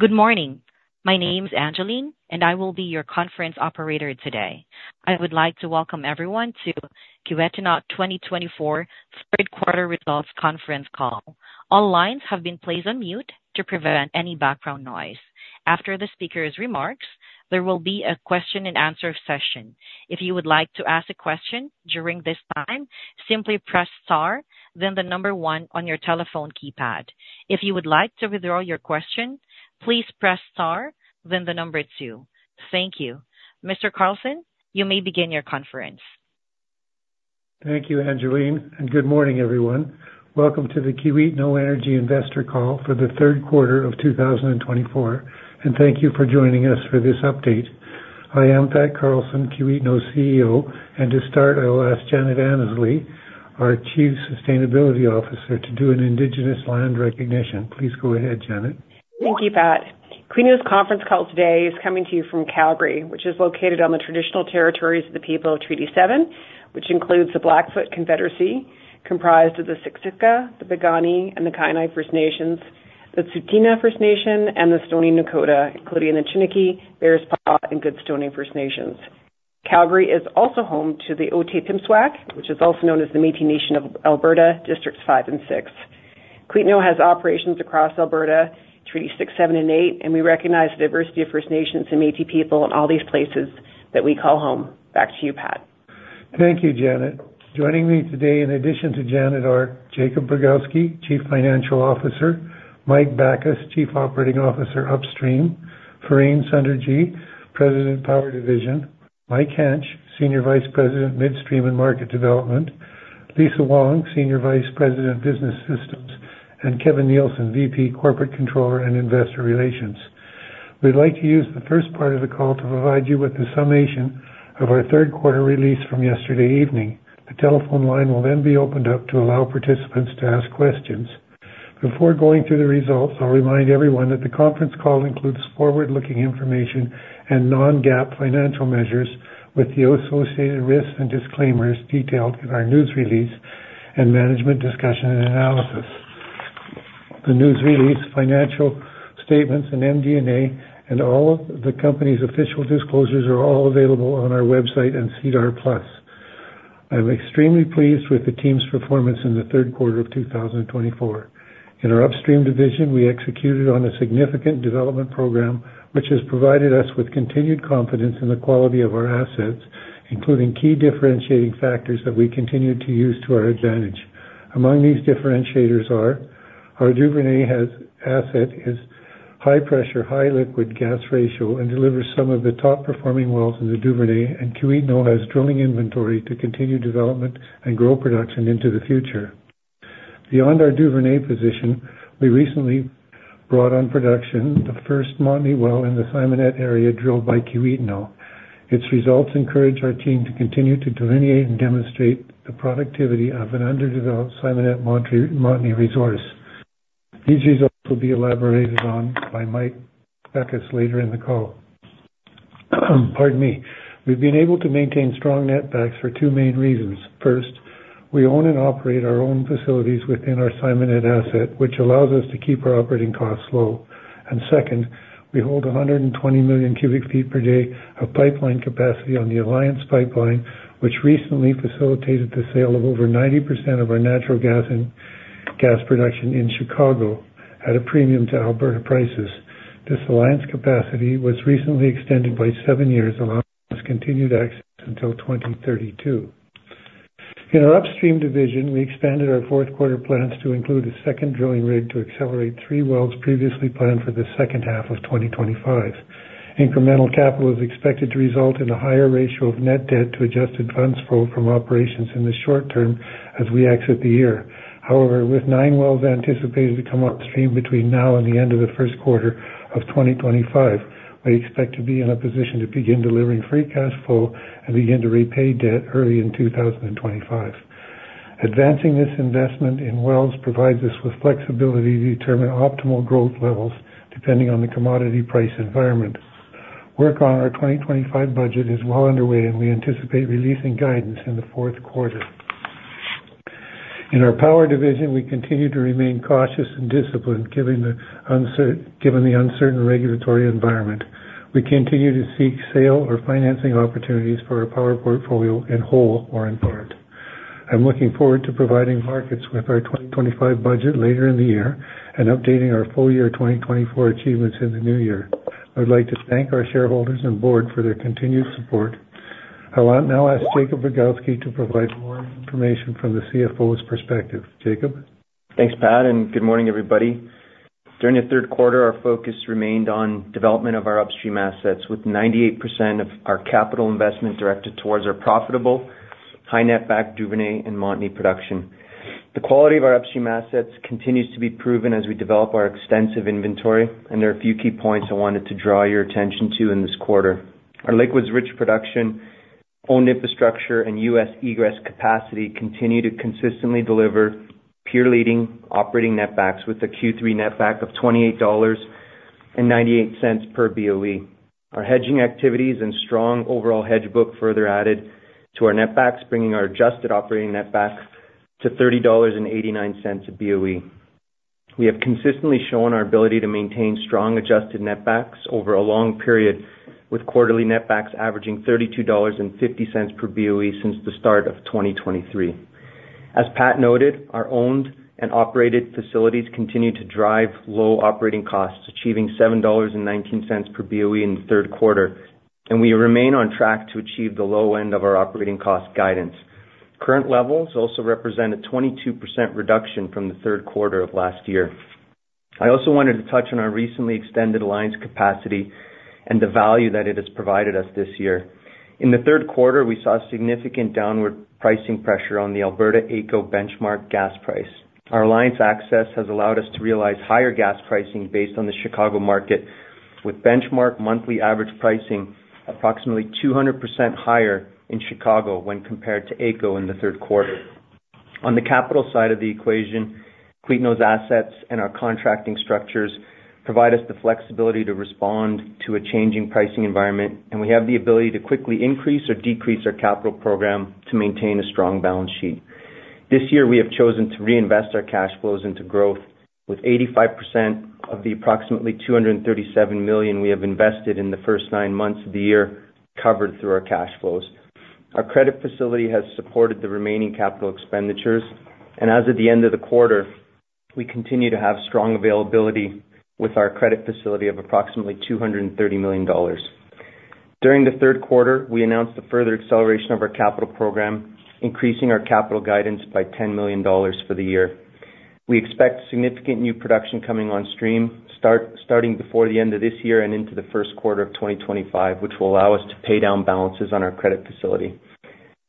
Good morning. My name's Angeline, and I will be your conference operator today. I would like to welcome everyone to Kiwetinohk 2024 third quarter results conference call. All lines have been placed on mute to prevent any background noise. After the speaker's remarks, there will be a question and answer session. If you would like to ask a question during this time, simply press star, then the number one on your telephone keypad. If you would like to withdraw your question, please press star, then the number two. Thank you. Mr. Carlson, you may begin your conference. Thank you, Angeline, and good morning, everyone. Welcome to the Kiwetinohk Energy Investor Call for the third quarter of 2024, and thank you for joining us for this update. I am Pat Carlson, Kiwetinohk CEO, and to start, I will ask Janet Annesley, our Chief Sustainability Officer, to do an Indigenous land recognition. Please go ahead, Janet. Thank you, Pat. Kiwetinohk's conference call today is coming to you from Calgary, which is located on the traditional territories of the people of Treaty 7, which includes the Blackfoot Confederacy, comprised of the Siksika, the Piikani, and the Kainai First Nations, the Tsuut'ina First Nation, and the Stoney Nakota, including the Chiniki, Bearspaw, and Goodstoney First Nations. Calgary is also home to the Otipemisiwak, which is also known as the Métis Nation of Alberta, districts five and six. Kiwetinohk has operations across Alberta, Treaty 6, Treaty 7, and Treaty 8, and we recognize the diversity of First Nations and Métis people in all these places that we call home. Back to you, Pat. Thank you, Janet. Joining me today, in addition to Janet, are Jakub Brogowski, Chief Financial Officer, Mike Backus, Chief Operating Officer Upstream, Fareen Sunderji, President Power Division, Mike Hantsch, Senior Vice President Midstream and Market Development, Lisa Wong, Senior Vice President Business Systems, and Kevin Nielsen, VP, Corporate Controller and Investor Relations. We'd like to use the first part of the call to provide you with a summation of our third quarter release from yesterday evening. The telephone line will then be opened up to allow participants to ask questions. Before going through the results, I'll remind everyone that the conference call includes forward-looking information and non-GAAP financial measures with the associated risks and disclaimers detailed in our news release and management discussion and analysis. The news release, financial statements, and MD&A, and all of the company's official disclosures are all available on our website and SEDAR+. I'm extremely pleased with the team's performance in the third quarter of 2024. In our Upstream division, we executed on a significant development program, which has provided us with continued confidence in the quality of our assets, including key differentiating factors that we continue to use to our advantage. Among these differentiators are: our Duvernay asset is high-pressure, high-liquid gas ratio and delivers some of the top-performing wells in the Duvernay, and Kiwetinohk has drilling inventory to continue development and grow production into the future. Beyond our Duvernay position, we recently brought on production the first Montney well in the Simonet area drilled by Kiwetinohk. Its results encourage our team to continue to delineate and demonstrate the productivity of an underdeveloped Simonet Montney resource. These results will be elaborated on by Mike Backus later in the call. Pardon me. We've been able to maintain strong netbacks for two main reasons. First, we own and operate our own facilities within our Simonet asset, which allows us to keep our operating costs low. And second, we hold 120 million cubic feet per day of pipeline capacity on the Alliance Pipeline, which recently facilitated the sale of over 90% of our natural gas production in Chicago at a premium to Alberta prices. This Alliance capacity was recently extended by seven years, allowing us continued access until 2032. In our Upstream division, we expanded our fourth quarter plans to include a second drilling rig to accelerate three wells previously planned for the second half of 2025. Incremental capital is expected to result in a higher ratio of net debt to adjusted funds flow from operations in the short term as we exit the year. However, with nine wells anticipated to come upstream between now and the end of the first quarter of 2025, we expect to be in a position to begin delivering free cash flow and begin to repay debt early in 2025. Advancing this investment in wells provides us with flexibility to determine optimal growth levels depending on the commodity price environment. Work on our 2025 budget is well underway, and we anticipate releasing guidance in the fourth quarter. In our Power division, we continue to remain cautious and disciplined given the uncertain regulatory environment. We continue to seek sale or financing opportunities for our power portfolio in whole or in part. I'm looking forward to providing markets with our 2025 budget later in the year and updating our full year 2024 achievements in the new year. I would like to thank our shareholders and board for their continued support. I'll now ask Jakub Brogowski to provide more information from the CFO's perspective. Jakub? Thanks, Pat, and good morning, everybody. During the third quarter, our focus remained on development of our upstream assets, with 98% of our capital investment directed towards our profitable high-net-back Duvernay and Montney production. The quality of our upstream assets continues to be proven as we develop our extensive inventory, and there are a few key points I wanted to draw your attention to in this quarter. Our liquids-rich production, owned infrastructure, and U.S. egress capacity continue to consistently deliver peer-leading operating netbacks with a Q3 netback of 28.98 dollars per BOE. Our hedging activities and strong overall hedge book further added to our netbacks, bringing our adjusted operating netback to 30.89 dollars a BOE. We have consistently shown our ability to maintain strong adjusted netbacks over a long period, with quarterly netbacks averaging 32.50 dollars per BOE since the start of 2023. As Pat noted, our owned and operated facilities continue to drive low operating costs, achieving 7.19 dollars per BOE in the third quarter, and we remain on track to achieve the low end of our operating cost guidance. Current levels also represent a 22% reduction from the third quarter of last year. I also wanted to touch on our recently extended Alliance capacity and the value that it has provided us this year. In the third quarter, we saw significant downward pricing pressure on the Alberta AECO benchmark gas price. Our Alliance access has allowed us to realize higher gas pricing based on the Chicago market, with benchmark monthly average pricing approximately 200% higher in Chicago when compared to AECO in the third quarter. On the capital side of the equation, Kiwetinohk's assets and our contracting structures provide us the flexibility to respond to a changing pricing environment, and we have the ability to quickly increase or decrease our capital program to maintain a strong balance sheet. This year, we have chosen to reinvest our cash flows into growth, with 85% of the approximately 237 million we have invested in the first nine months of the year covered through our cash flows. Our credit facility has supported the remaining capital expenditures, and as of the end of the quarter, we continue to have strong availability with our credit facility of approximately 230 million dollars. During the third quarter, we announced the further acceleration of our capital program, increasing our capital guidance by 10 million dollars for the year. We expect significant new production coming on stream, starting before the end of this year and into the first quarter of 2025, which will allow us to pay down balances on our credit facility.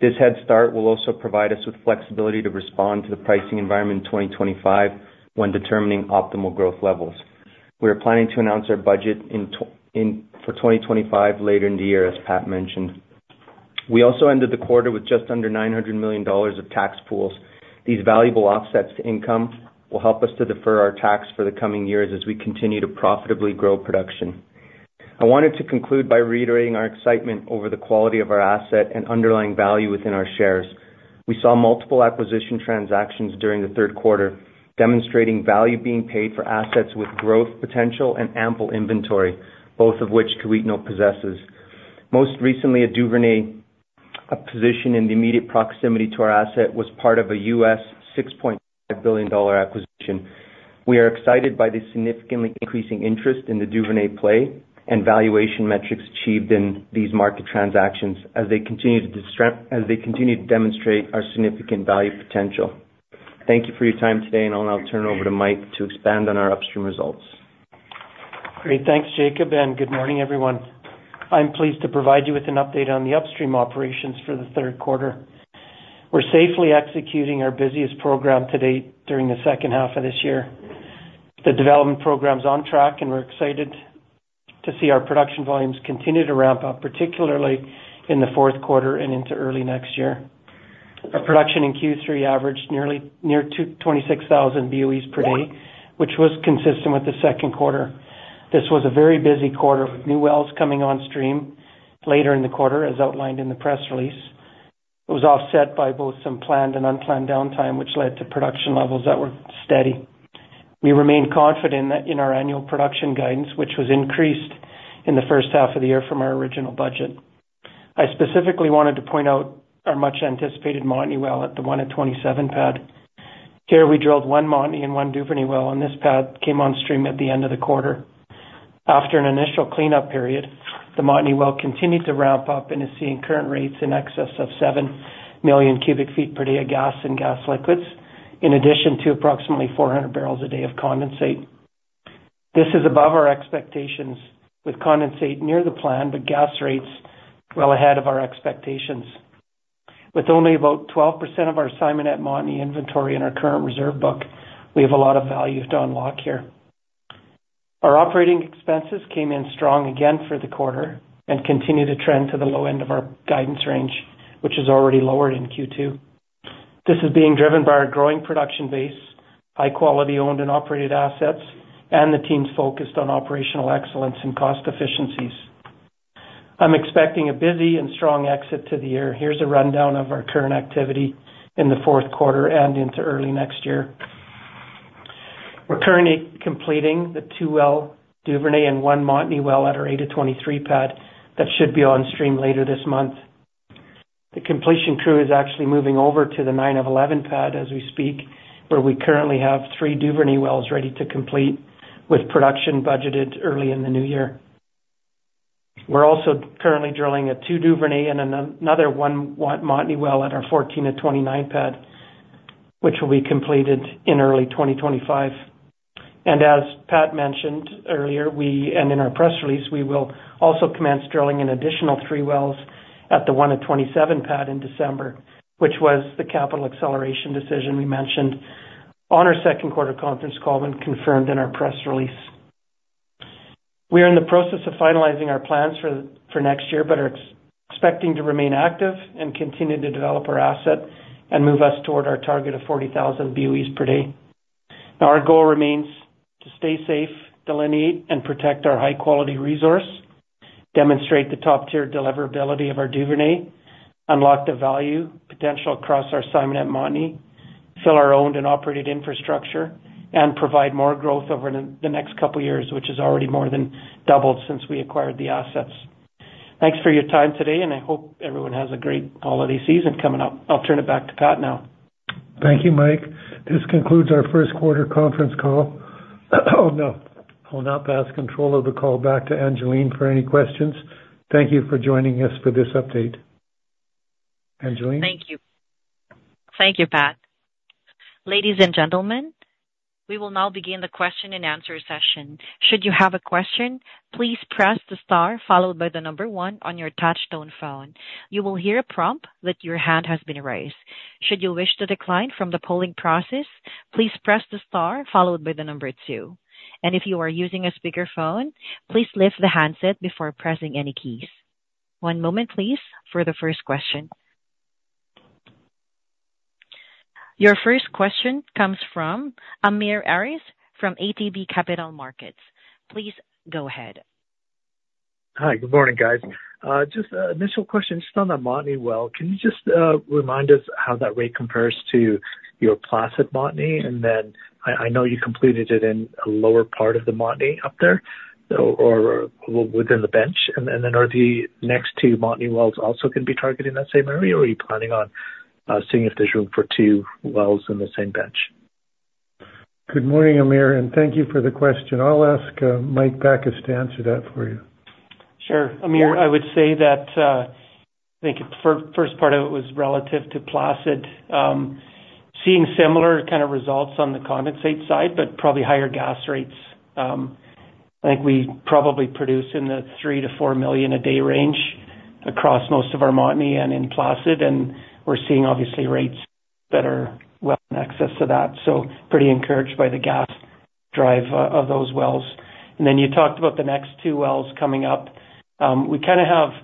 This head start will also provide us with flexibility to respond to the pricing environment in 2025 when determining optimal growth levels. We are planning to announce our budget for 2025 later in the year, as Pat mentioned. We also ended the quarter with just under 900 million dollars of tax pools. These valuable offsets to income will help us to defer our tax for the coming years as we continue to profitably grow production. I wanted to conclude by reiterating our excitement over the quality of our asset and underlying value within our shares. We saw multiple acquisition transactions during the third quarter, demonstrating value being paid for assets with growth potential and ample inventory, both of which Kiwetinohk possesses. Most recently, a Duvernay position in the immediate proximity to our asset was part of a U.S. $6.5 billion acquisition. We are excited by the significantly increasing interest in the Duvernay play and valuation metrics achieved in these market transactions as they continue to demonstrate our significant value potential. Thank you for your time today, and I'll now turn it over to Mike to expand on our Upstream results. Great. Thanks, Jakub, and good morning, everyone. I'm pleased to provide you with an update on the Upstream operations for the third quarter. We're safely executing our busiest program to date during the second half of this year. The development program's on track, and we're excited to see our production volumes continue to ramp up, particularly in the fourth quarter and into early next year. Our production in Q3 averaged near 26,000 BOEs per day, which was consistent with the second quarter. This was a very busy quarter with new wells coming on stream later in the quarter, as outlined in the press release. It was offset by both some planned and unplanned downtime, which led to production levels that were steady. We remain confident in our annual production guidance, which was increased in the first half of the year from our original budget. I specifically wanted to point out our much-anticipated Montney well at the 12-7 Pad. Here, we drilled one Montney and one Duvernay well, and this pad came on stream at the end of the quarter. After an initial cleanup period, the Montney well continued to ramp up and is seeing current rates in excess of seven million cubic feet per day of gas and gas liquids, in addition to approximately 400 barrels a day of condensate. This is above our expectations, with condensate near the plan, but gas rates well ahead of our expectations. With only about 12% of our Simonet Montney inventory in our current reserve book, we have a lot of value to unlock here. Our operating expenses came in strong again for the quarter and continue to trend to the low end of our guidance range, which is already lowered in Q2. This is being driven by our growing production base, high-quality owned and operated assets, and the team's focus on operational excellence and cost efficiencies. I'm expecting a busy and strong exit to the year. Here's a rundown of our current activity in the fourth quarter and into early next year. We're currently completing the two-well Duvernay and one Montney well at our 8-23 pad that should be on stream later this month. The completion crew is actually moving over to the 9-11 pad as we speak, where we currently have three Duvernay wells ready to complete with production budgeted early in the new year. We're also currently drilling two Duvernay and another one Montney well at our 14-29 pad, which will be completed in early 2025. As Pat mentioned earlier, and in our press release, we will also commence drilling an additional three wells at the 12-7 Pad in December, which was the capital acceleration decision we mentioned on our second quarter conference call and confirmed in our press release. We are in the process of finalizing our plans for next year but are expecting to remain active and continue to develop our asset and move us toward our target of 40,000 BOEs per day. Our goal remains to stay safe, delineate, and protect our high-quality resource, demonstrate the top-tier deliverability of our Duvernay, unlock the value potential across our Simonet Montney, fill our owned and operated infrastructure, and provide more growth over the next couple of years, which has already more than doubled since we acquired the assets. Thanks for your time today, and I hope everyone has a great holiday season coming up. I'll turn it back to Pat now. Thank you, Mike. This concludes our first quarter conference call. I'll now pass control of the call back to Angeline for any questions. Thank you for joining us for this update. Angeline? Thank you. Thank you, Pat. Ladies and gentlemen, we will now begin the question-and-answer session. Should you have a question, please press the star followed by the number one on your touch-tone phone. You will hear a prompt that your hand has been raised. Should you wish to decline from the polling process, please press the star followed by the number two. And if you are using a speakerphone, please lift the handset before pressing any keys. One moment, please, for the first question. Your first question comes from Amir Arif from ATB Capital Markets. Please go ahead. Hi, good morning, guys. Just an initial question just on that Montney well. Can you just remind us how that rate compares to your Placid Montney, and then I know you completed it in a lower part of the Montney up there or within the bench, and then are the next two Montney wells also going to be targeting that same area, or are you planning on seeing if there's room for two wells in the same bench? Good morning, Amir, and thank you for the question. I'll ask Mike Backus to answer that for you. Sure. Amir, I would say that I think the first part of it was relative to Placid. Seeing similar kind of results on the condensate side, but probably higher gas rates. I think we probably produce in the three- to four-million-a-day range across most of our Montney and in Placid, and we're seeing obviously rates that are well in excess of that, so pretty encouraged by the gas drive of those wells, and then you talked about the next two wells coming up. We kind of have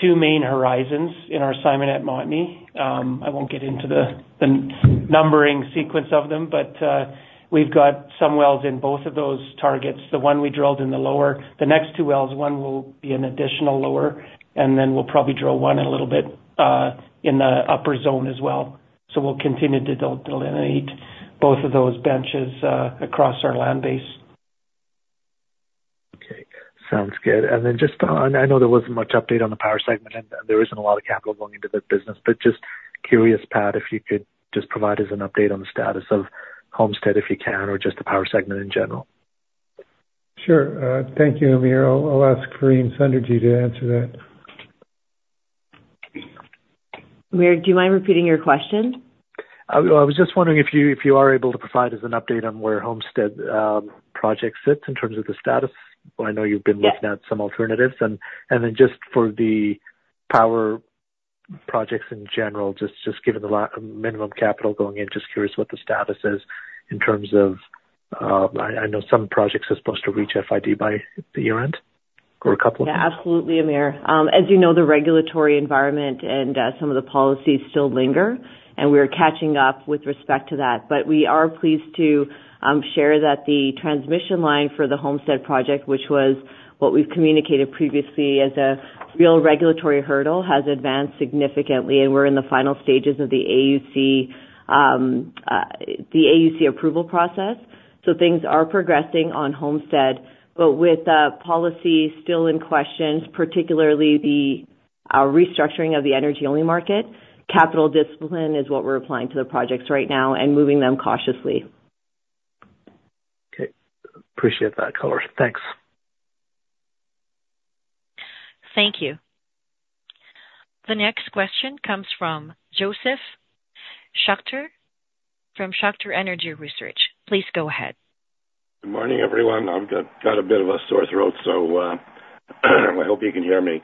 two main horizons in our Simonet Montney. I won't get into the numbering sequence of them, but we've got some wells in both of those targets. The one we drilled in the lower, the next two wells, one will be an additional lower, and then we'll probably drill one a little bit in the upper zone as well. So we'll continue to delineate both of those benches across our land base. Okay. Sounds good. And then just on, I know there wasn't much update on the power segment, and there isn't a lot of capital going into the business, but just curious, Pat, if you could just provide us an update on the status of Homestead if you can, or just the power segment in general. Sure. Thank you, Amir. I'll ask Fareen Sunderji to answer that. Amir, do you mind repeating your question? I was just wondering if you are able to provide us an update on where Homestead project sits in terms of the status. I know you've been looking at some alternatives, and then just for the power projects in general, just given the minimum capital going in, just curious what the status is in terms of I know some projects are supposed to reach FID by the year end or a couple of years. Yeah, absolutely, Amir. As you know, the regulatory environment and some of the policies still linger, and we're catching up with respect to that. But we are pleased to share that the transmission line for the Homestead project, which was what we've communicated previously as a real regulatory hurdle, has advanced significantly, and we're in the final stages of the AUC approval process. Things are progressing on Homestead, but with policies still in question, particularly the restructuring of the energy-only market, capital discipline is what we're applying to the projects right now and moving them cautiously. Okay. Appreciate that, caller. Thanks. Thank you. The next question comes from Josef Schachter from Schachter Energy Research. Please go ahead. Good morning, everyone. I've got a bit of a sore throat, so I hope you can hear me.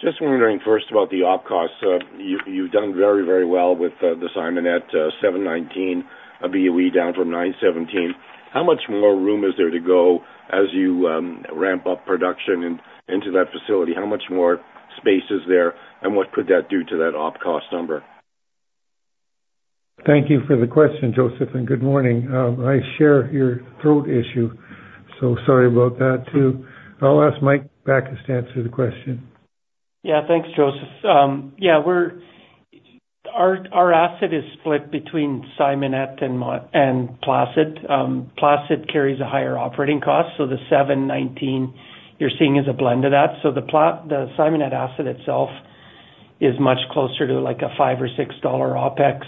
Just wondering first about the op costs. You've done very, very well with the Simonet 719 BOE down from 917. How much more room is there to go as you ramp up production into that facility? How much more space is there, and what could that do to that op cost number? Thank you for the question, Josef, and good morning. I share your throat issue, so sorry about that too. I'll ask Mike Backus to answer the question. Yeah, thanks, Josef. Yeah, our asset is split between Simonet and Placid. Placid carries a higher operating cost, so the $7.19 you're seeing is a blend of that. So the Simonet asset itself is much closer to like a $5-$6 OpEx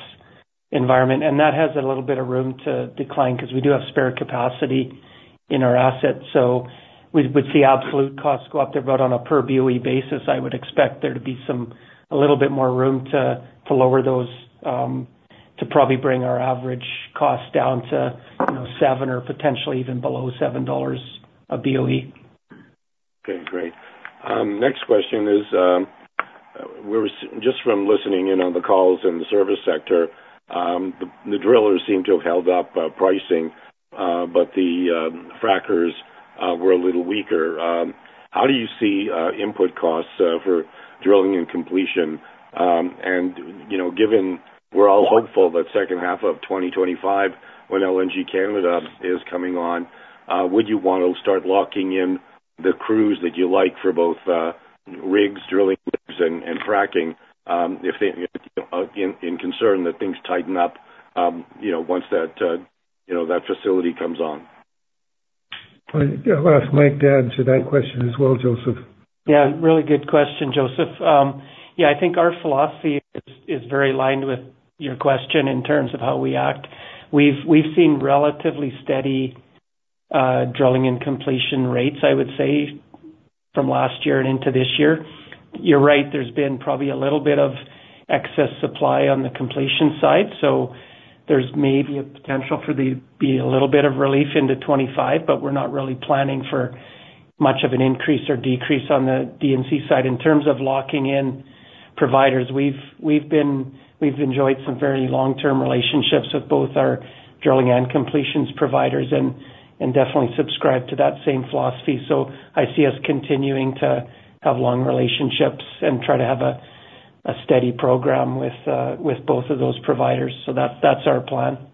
environment, and that has a little bit of room to decline because we do have spare capacity in our asset. So with the absolute cost go up there, but on a per BOE basis, I would expect there to be a little bit more room to lower those to probably bring our average cost down to $7 or potentially even below $7 a BOE. Okay, great. Next question is just from listening in on the calls in the service sector. The drillers seem to have held up pricing, but the frackers were a little weaker. How do you see input costs for drilling and completion? And given we're all hopeful that second half of 2025 when LNG Canada is coming on, would you want to start locking in the crews that you like for both rigs, drilling rigs, and fracking in concern that things tighten up once that facility comes on? Yeah, I'll ask Mike to answer that question as well, Josef. Yeah, really good question, Josef. Yeah, I think our philosophy is very aligned with your question in terms of how we act. We've seen relatively steady drilling and completion rates, I would say, from last year and into this year. You're right, there's been probably a little bit of excess supply on the completion side, so there's maybe a potential for there to be a little bit of relief into 2025, but we're not really planning for much of an increase or decrease on the DNC side in terms of locking in providers. We've enjoyed some very long-term relationships with both our drilling and completions providers and definitely subscribe to that same philosophy. So I see us continuing to have long relationships and try to have a steady program with both of those providers. So that's our plan.